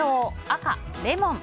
赤、レモン。